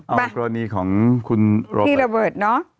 เอาโรษณีของคุณโรเบิร์ต